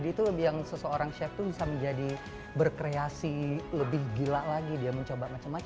dia tuh lebih yang seseorang chef tuh bisa menjadi berkreasi lebih gila lagi dia mencoba macam macam